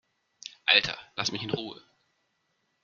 Alter, lass mich in Ruhe!